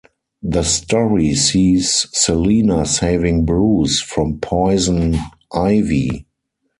The story sees Selina saving Bruce from Poison Ivy.